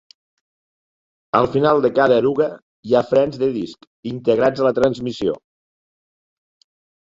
Al final de cada eruga hi ha frens de disc, integrats a la transmissió.